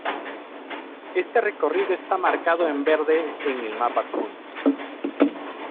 Este recorrido está marcado en verde en el mapa adjunto.